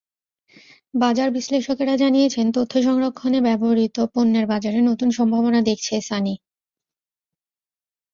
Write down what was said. বাজার বিশ্লেষকেরা জানিয়েছেন, তথ্য সংরক্ষণে ব্যবহূত পণ্যের বাজারে নতুন সম্ভাবনা দেখছে সনি।